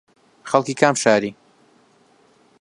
خەڵکی کام شاری